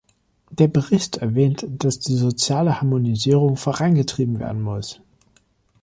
Der Bericht erwähnt, dass die soziale Harmonisierung vorangetrieben werden muss.